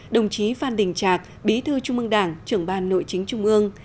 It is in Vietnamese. đồng chí phan đình trạc bí thư trung ương đảng trưởng ban nội chính trung ương